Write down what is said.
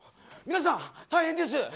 皆さん大変です！